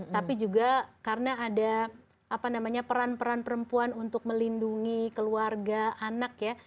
tapi juga karena ada peran peran perempuan untuk melindungi keluarga anak ya